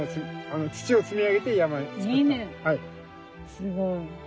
すごい。